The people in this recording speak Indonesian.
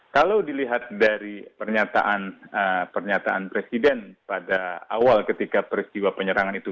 kalau dilihat dari pernyataan presiden pada awal ketika peristiwa penyerangan itu